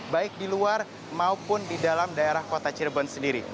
baik di luar maupun di dalam daerah kota cirebon sendiri